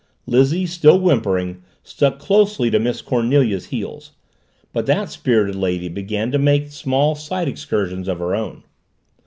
Lizzie, still whimpering, stuck closely to Miss Cornelia's heels, but that spirited lady began to make small side excursions of her own.